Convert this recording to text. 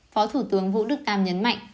phó thủ tướng vũ đức tam nhấn mạnh